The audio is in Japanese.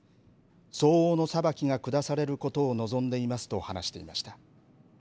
相応の裁きが下されることを望んでいますと話していました。